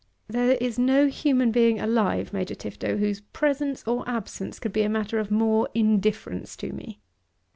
"There is no human being alive, Major Tifto, whose presence or absence could be a matter of more indifference to me."